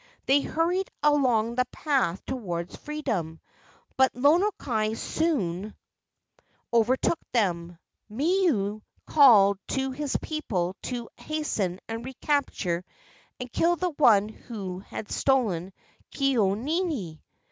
They hurried along the path toward freedom, but Lono kai soon 218 LEGENDS OF GHOSTS overtook them. Milu called to his people to hasten and capture and kill the one who had stolen Ke au nini.